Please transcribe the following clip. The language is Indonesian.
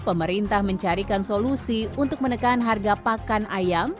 pemerintah mencarikan solusi untuk menekan harga pakan ayam